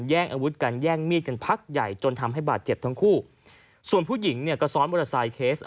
แย่งอาวุธกันแย่งมีดกันพักใหญ่จนทำให้บาดเจ็บทั้งคู่ส่วนผู้หญิงเนี้ยก็ซ้อนบริษัท